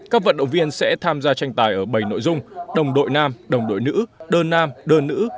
các vận động viên sẽ tham gia tranh tài ở bảy nội dung đồng đội nam đồng đội nữ đơn nam đơn nữ